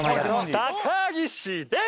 高岸です！